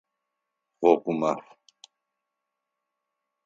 Гъогумаф!